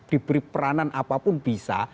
diberi peranan apapun bisa